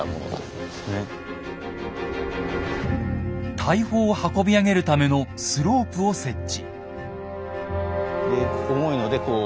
大砲を運び上げるためのスロープを設置。